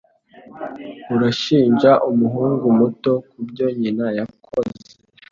Urashinja umuhungu muto kubyo nyina yakoze?